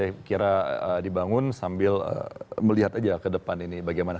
kira kira dibangun sambil melihat aja ke depan ini bagaimana